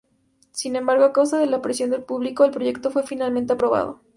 Sin embargo, a causa de la presión del público, el proyecto fue finalmente aprobado.